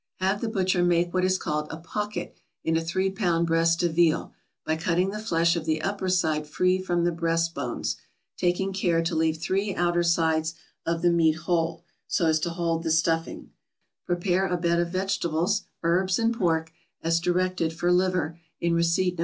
= Have the butcher make what is called a pocket in a three pound breast of veal, by cutting the flesh of the upper side free from the breast bones, taking care to leave three outer sides of the meat whole, so as to hold the stuffing; prepare a bed of vegetables, herbs, and pork, as directed for liver, in receipt No.